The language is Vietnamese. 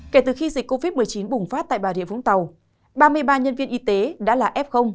kể từ khi dịch covid một mươi chín bùng phát tại bà rịa vũng tàu ba mươi ba nhân viên y tế đã là f